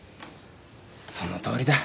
そのとおりだ。